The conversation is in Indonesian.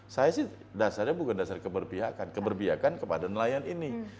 saya sih dasarnya bukan dasar keberpihakan keberbiakan kepada nelayan ini